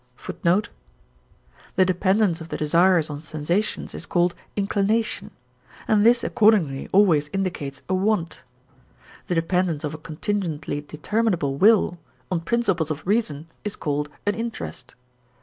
The dependence of the desires on sensations is called inclination, and this accordingly always indicates a want. The dependence of a contingently determinable will on principles of reason is called an interest.